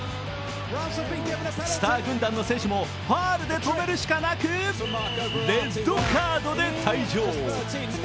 スター軍団の選手もファウルで止めるしかなく、レッドカードで退場。